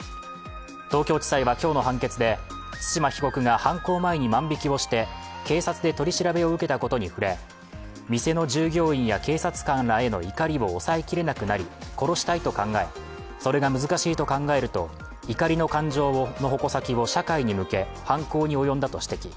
東京地裁は今日の判決で対馬被告が犯行前に万引きをして警察で取り調べを受けたことに触れ、店の従業員や警察官への怒りを抑えきれなくなり、殺したいと考え、それが難しいと考えると怒りの感情の矛先を社会に向け、犯行に及んだと指摘。